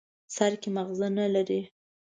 سر کې ماغزه نه لري.